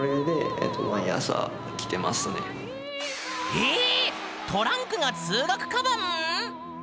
ええ⁉トランクが通学カバン⁉